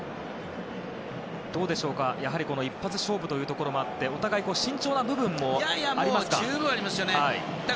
どうでしょうか、やはり一発勝負というところもあってお互い、慎重な部分もありますか？